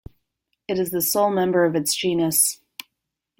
It is the sole member of its genus.